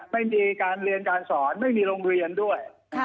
ไม่มีการเรียนการสอนไม่มีโรงเรียนด้วย